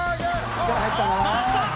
力入ったんだね。